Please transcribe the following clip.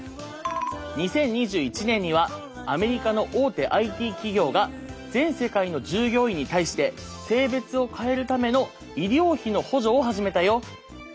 ２０２１年にはアメリカの大手ＩＴ企業が全世界の従業員に対して性別を変えるための医療費の補助を始めたよ。